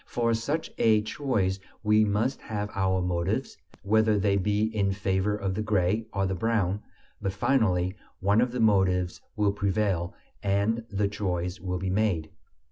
For such a choice we must have our motives, whether they be in favor of the gray or the brown; but finally one of the motives will prevail and the choice will be made.